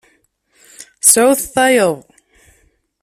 Sɛut tayeḍ.